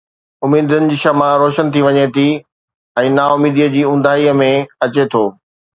اميدن جي شمع روشن ٿي وڃي ٿي ۽ نا اميديءَ جي اونداهيءَ ۾ اچي ٿو.